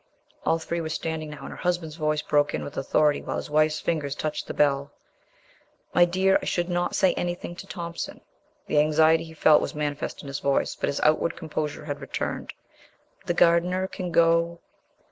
All three were standing now, and her husband's voice broke in with authority while his wife's fingers touched the bell. "My dear, I should not say anything to Thompson." The anxiety he felt was manifest in his voice, but his outward composure had returned. "The gardener can go...."